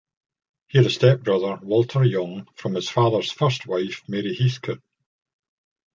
He had a stepbrother, Walter Yonge, from his father's first wife Mary Heathcote.